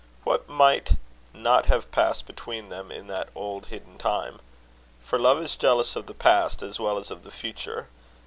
What might not have passed between them in that old hidden time? for love is jealous of the past as well as of the future.